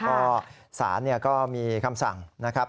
ก็สารก็มีคำสั่งนะครับ